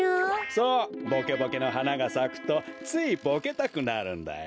そうボケボケの花がさくとついボケたくなるんだよ。